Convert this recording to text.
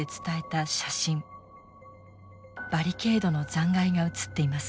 バリケードの残骸が写っています。